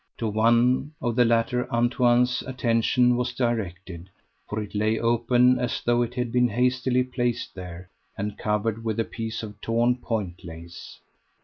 To one of the latter Antoine's attention was directed, for it lay open as though it had been hastily placed there, and covered with a piece of torn point lace.